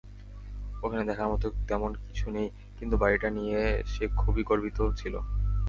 ওখানে দেখার মত তেমন কিছু নেই, কিন্তু বাড়িটা নিয়ে সে খুবই গর্বিত ছিল।